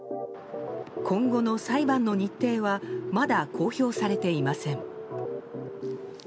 今後の裁判の日程はまだ公表されていません。